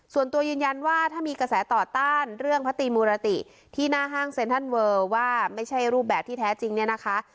ส่วนตัวยืนยันว่าถ้ามีกระแสต่อต้านเรื่องพระตีมูรติที่หน้าห้างเซ็นทรัลเวิร์ลว่าไม่ใช่รูปแบบที่แท้จริงเนี่ยนะคะ